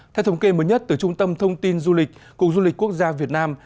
theo thống kê mới nhất từ trung tâm thông tin du lịch cục du lịch quốc gia việt nam